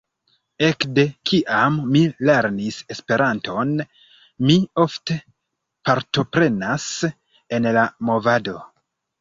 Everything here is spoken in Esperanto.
Ekde kiam mi lernis Esperanton, mi ofte partoprenas en la movado.